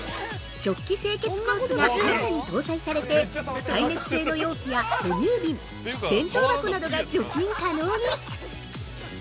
◆食器清潔コースが新たに搭載されて、耐熱性の容器やほ乳瓶、弁当箱などが除菌可能に！